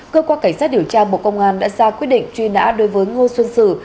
cơ quan cảnh sát điều tra bộ công an đã ra quyết định truy nã đối với ngô xuân sử